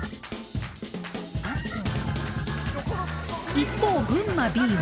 一方群馬Ｂは。